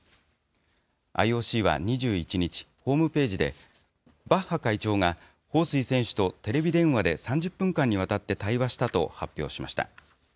ＩＯＣは２１日、ホームページで、バッハ会長が彭帥選手とテレビ電話で３０分間にわたって対話したと発表しました。